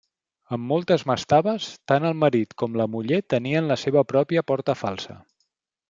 En moltes mastabes, tant el marit com la muller tenien la seva pròpia porta falsa.